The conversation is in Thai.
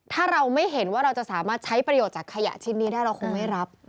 ถ้าเราไม่เห็นว่าเราจะสามารถใช้ประโยชน์จากขยะชิ้นนี้ได้เราคงไม่รับ